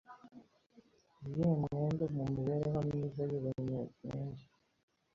ye mwembe mu mibereho myize y’Ebenyerwende